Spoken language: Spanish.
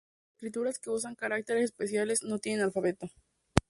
Escrituras que usan caracteres especiales no tienen alfabeto.